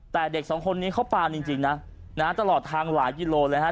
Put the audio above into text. แต่เด็กสองคนนี้เขาปานจริงนะตลอดทางหลายกิโลเลยฮะ